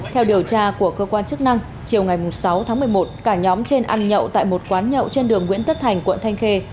theo điều tra của cơ quan chức năng chiều ngày sáu tháng một mươi một cả nhóm trên ăn nhậu tại một quán nhậu trên đường nguyễn tất thành quận thanh khê